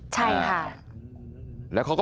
ใช่ค่ะ